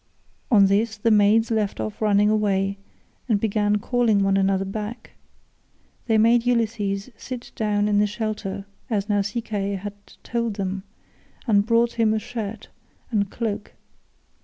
On this the maids left off running away and began calling one another back. They made Ulysses sit down in the shelter as Nausicaa had told them, and brought him a shirt and cloak.